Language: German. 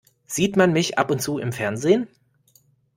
Sieht man mich ab und zu im Fernsehen?